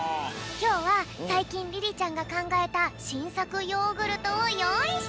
きょうはさいきんリリちゃんがかんがえたしんさくヨーグルトをよういしたぴょん。